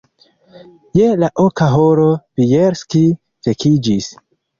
Je la oka horo Bjelski vekiĝis.